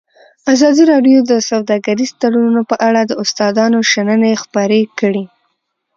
ازادي راډیو د سوداګریز تړونونه په اړه د استادانو شننې خپرې کړي.